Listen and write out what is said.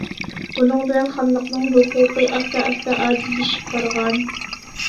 بۇنىڭ بىلەن خانلىقنىڭ ھوقۇقى ئاستا- ئاستا ئاجىزلىشىپ بارغان.